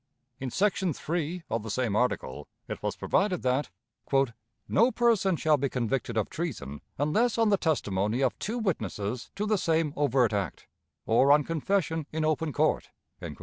In section 3, of the same article, it was provided that "No person shall be convicted of treason unless on the testimony of two witnesses to the same overt act, or on confession in open court."